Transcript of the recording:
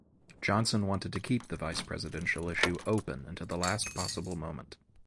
Johnson wanted to keep the vice presidential issue open until the last possible moment.